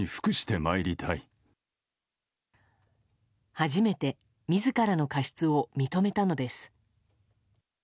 初めて自らの過失を認めたのです。